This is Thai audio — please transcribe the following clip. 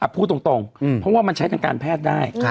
พูดตรงเพราะว่ามันใช้ทางการแพทย์ได้